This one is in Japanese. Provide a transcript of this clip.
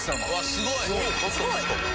すごい！